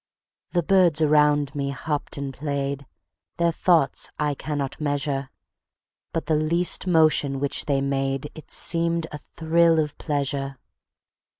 The birds around me hopped and played, Their thoughts I cannot measure: But the least motion which they made It seemed a thrill of pleasure.